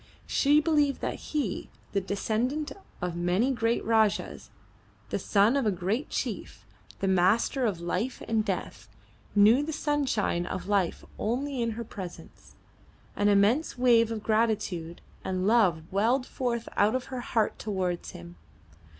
She believed that he, the descendant of many great Rajahs, the son of a great chief, the master of life and death, knew the sunshine of life only in her presence. An immense wave of gratitude and love welled forth out of her heart towards him.